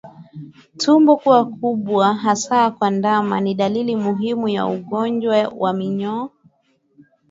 Tumbo kuwa kubwa hasa kwa ndama ni dalili muhimu ya ugonjwa wa minyoo